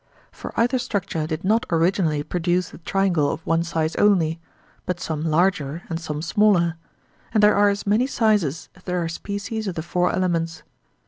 For either structure did not originally produce the triangle of one size only, but some larger and some smaller, and there are as many sizes as there are species of the four elements.